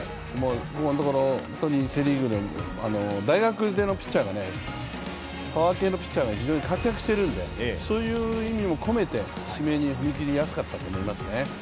今のところセ・リーグ大学出のピッチャーがパワー系のピッチャーが非常に活躍しているのでそういう意味も込めて、指名に踏み切りやすかったと思いますね。